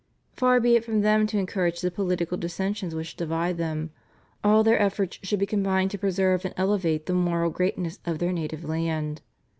Far be it from them to encourage the political dissensions which divide them; all their efforts should be combined to preserve and elevate the moral greatness of their native land.